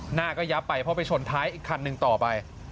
หน้าก็ยับไปเพราะไปชนท้ายอีกคันหนึ่งต่อไป